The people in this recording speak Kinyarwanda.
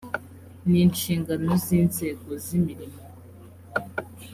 ni inshingano z’ inzego z’ imirimo